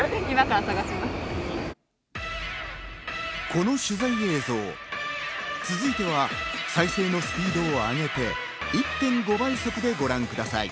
この取材映像、続いては再生のスピードを上げて、１．５倍速でご覧ください。